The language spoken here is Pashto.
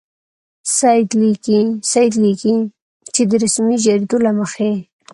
سید لیکي چې د رسمي جریدو له مخې.